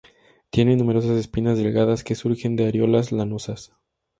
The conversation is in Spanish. Tiene numerosas espinas delgadas que surgen de areolas lanosas.